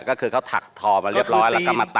ก็คือเขาถักทอมาเรียบร้อยแล้วก็มาต่อ